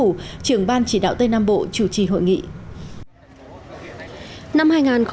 trưởng ban chỉ đạo tây nam bộ chủ trì hội nghị